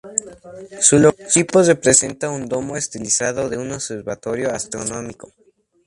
Su logotipo representa un domo estilizado de un observatorio astronómico.